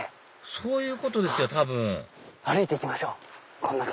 そういうことですよ多分歩いて行きましょうこの中を。